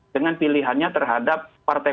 dengan pilihannya terhadap partai